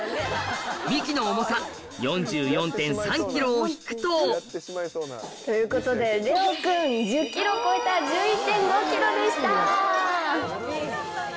みきの重さ４４．３ｋｇを引くとということでレオくん１０ｋｇを超えた１１．５ｋｇでした！